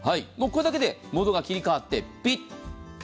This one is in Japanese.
これだけでモードが切り替わって、ピッ。